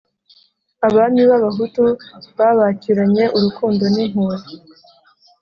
Abami b'Abahutu babakiranye urukundo n'impuhwe.